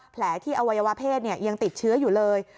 แผลที่อวัยวะเพศยังติดเชื้ออยู่เลย